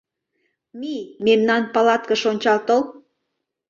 Мий, мемнан палаткыш ончал тол.